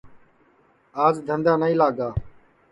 آج دھندا نائی لاگا